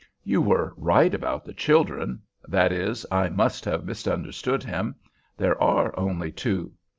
You were right about the children—that is, I must have misunderstood him. There are only two.